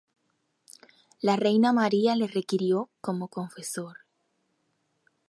La reina María le requirió como confesor.